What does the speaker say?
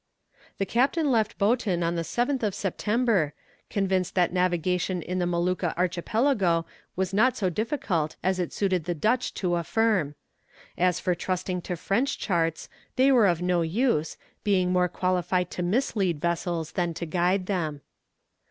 The captain left Boeton on the 7th of September, convinced that navigation in the Molucca Archipelago was not so difficult as it suited the Dutch to affirm. As for trusting to French charts, they were of no use, being more qualified to mislead vessels than to guide them.